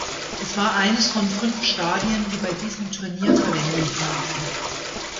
Es war eines von fünf Stadien, die bei diesem Turnier Verwendung fanden.